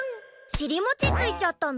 しりもちついちゃったの？